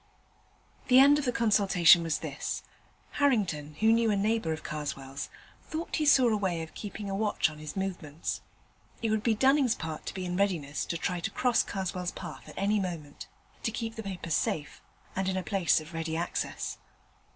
The end of the consultation was this. Harrington, who knew a neighbour of Karswell's, thought he saw a way of keeping a watch on his movements. It would be Dunning's part to be in readiness to try to cross Karswell's path at any moment, to keep the paper safe and in a place of ready access.